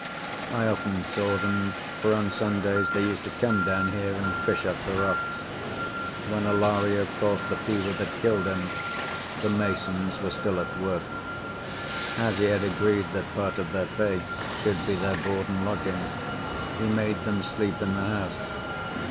I often saw them, for on Sundays they used to come down here and fish off the rocks. When Alario caught the fever that killed him the masons were still at work. As he had agreed that part of their pay should be their board and lodging, he made them sleep in the house.